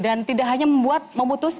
dan tidak hanya membuat memutuskan